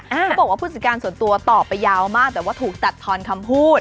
เขาบอกว่าผู้จัดการส่วนตัวตอบไปยาวมากแต่ว่าถูกตัดทอนคำพูด